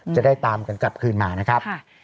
จะได้ตามกันกลับคืนมานะครับ